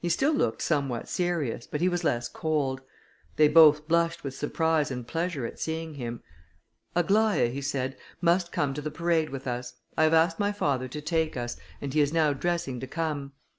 He still looked somewhat serious, but he was less cold. They both blushed with surprise and pleasure at seeing him. "Aglaïa," he said, "must come to the parade with us; I have asked my father to take us, and he is now dressing to come.